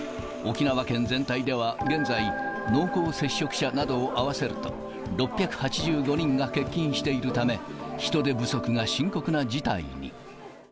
沖縄県全体では現在、濃厚接触者などを合わせると、６８５人が欠勤しているため、人手不足が深刻な事態に。